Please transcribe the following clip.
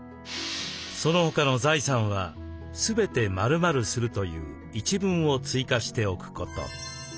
「その他の財産はすべて○○する」という一文を追加しておくこと。